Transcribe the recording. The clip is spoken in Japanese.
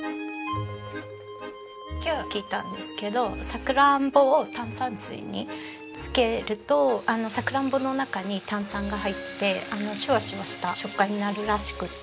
今日聞いたんですけどサクランボを炭酸水に漬けるとサクランボの中に炭酸が入ってシュワシュワした食感になるらしくて。